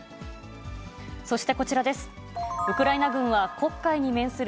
そしてこちらです。